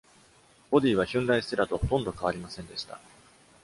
ボディはヒュンダイ・ステラとほとんど変わりませんでした。